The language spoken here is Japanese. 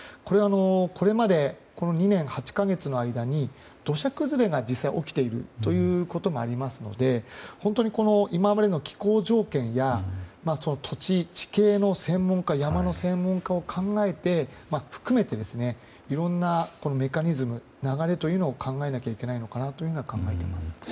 これまで、この２年８か月の間に土砂崩れが実際起きているということもありますので本当に、今までの気候条件や土地、地形の専門家山の専門家を考えて、含めていろんなメカニズム流れというのを考えなきゃいけないのかなと考えております。